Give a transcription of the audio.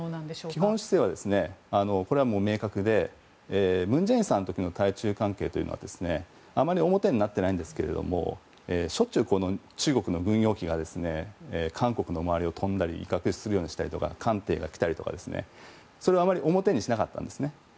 基本姿勢は明確で文在寅さんの時の対中関係というのはあまり表になっていないんですがしょっちゅう中国の軍用機が韓国の周りを飛んだり威嚇するようにしたり艦艇が来たりそれはあまり表にしなかったんですね。